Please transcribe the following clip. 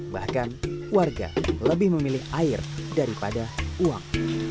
bahkan warga lebih memilih air daripada uang